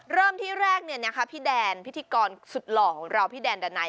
เริ่มที่แรกพี่แดนพิธีกรสุดหล่อของเราพี่แดนดานัย